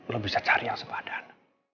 lo bisa cari yang sepadan